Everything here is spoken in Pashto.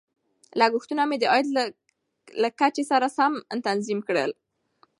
لګښتونه مې د عاید له کچې سره سم تنظیم کړل.